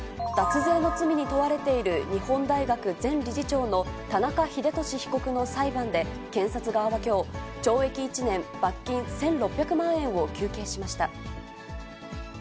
脱税の罪に問われている日本大学前理事長の田中英壽被告の裁判で、検察側はきょう、懲役１年、罰金１６００万円を求刑しました。